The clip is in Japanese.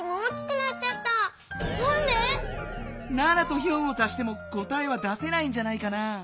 ７と４を足しても答えは出せないんじゃないかな。